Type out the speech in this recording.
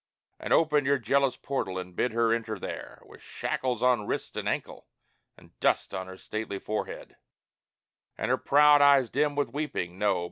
And open your jealous portal and bid her enter there With shackles on wrist and ankle, and dust on her stately head, And her proud eyes dim with weeping? No!